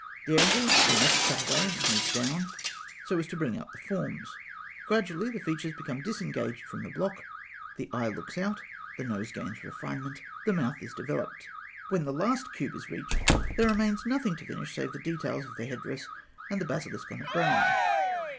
The angles were next cut away and smoothed down, so as to bring out the forms. Gradually the features become disengaged from the block, the eye looks out, the nose gains refinement, the mouth is developed. When the last cube is reached, there remains nothing to finish save the details of the head dress and the basilisk on the brow.